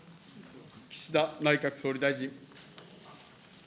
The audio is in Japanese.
岸田内閣総理大臣。